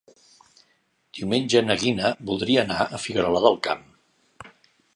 Diumenge na Gina voldria anar a Figuerola del Camp.